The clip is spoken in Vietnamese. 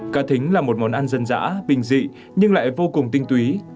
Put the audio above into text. cá thính là một món ăn dân dã bình dị nhưng lại vô cùng tinh túy